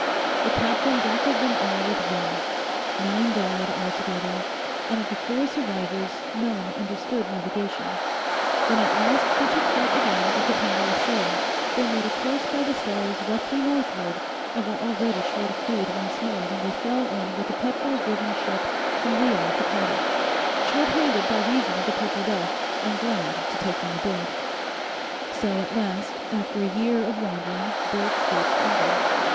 The captain doctored them all with rum. Nine died all together, and of the four survivors none understood navigation; when at last they took heart again and could handle a sail, they made a course by the stars roughly northward and were already short of food once more when they fell in with a petrol driven ship from Rio to Cardiff, shorthanded by reason of the Purple Death and glad to take them aboard. So at last, after a year of wandering Bert reached England.